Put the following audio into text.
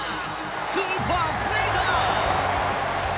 スーパープレーだ。